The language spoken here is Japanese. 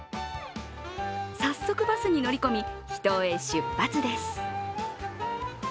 早速バスに乗り込み秘湯へ出発です。